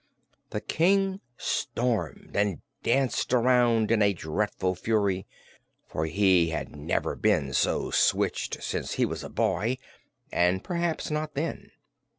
The King stormed and danced around in a dreadful fury, for he had never been so switched since he was a boy and perhaps not then.